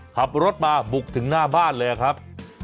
ขับรถมาบุกถึงหน้าบ้านเลยครับ